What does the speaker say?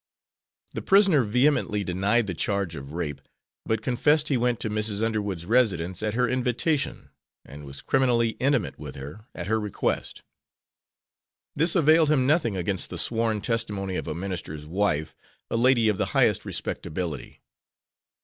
The prisoner vehemently denied the charge of rape, but confessed he went to Mrs. Underwood's residence at her invitation and was criminally intimate with her at her request. This availed him nothing against the sworn testimony of a ministers wife, a lady of the highest respectability.